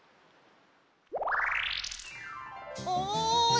おい！